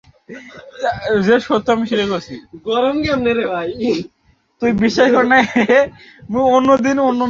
ভারতের ভাইসরয় হওয়ার আগে তিনি খুব বেশি উচ্চ পদে আসীন ছিলেন না।